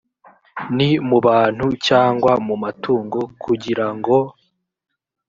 ni mu bantu cyangwa mu matungo kugira ngo